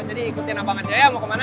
jadi ikutin abang aja ya mau kemana